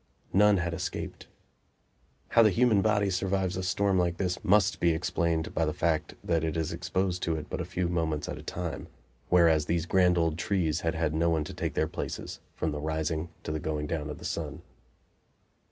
None had escaped. How the human body survives a storm like this must be explained by the fact that it is exposed to it but a few moments at a time, whereas these grand old trees had had no one to take their places, from the rising to the going down of the sun.